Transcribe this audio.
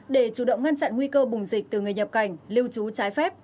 để chủ động ngăn chặn nguy cơ bùng dịch từ người nhập cảnh lưu trú trái phép